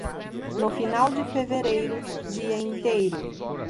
No final de fevereiro, dia inteiro.